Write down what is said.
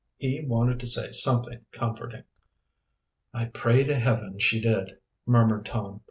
He wanted to say something comforting. "I pray to Heaven she did," murmured Tom.